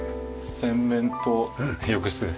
洗面と浴室です。